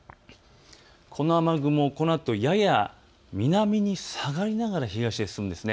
この雨雲、このあとやや南へ下がりながら東へ進むんです。